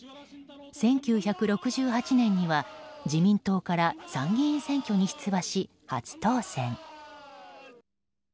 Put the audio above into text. １９６８年には、自民党から参議院選挙に出馬し初当選。